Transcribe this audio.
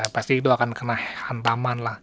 pasti itu akan kena hantaman lah